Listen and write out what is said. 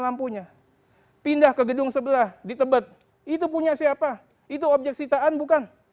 saya nggak tahu